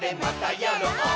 やろう！